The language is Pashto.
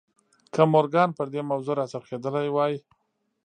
که مورګان پر دې موضوع را څرخېدلی وای.